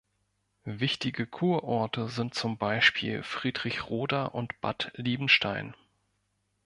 Wichtige Kurorte sind zum Beispiel Friedrichroda und Bad Liebenstein.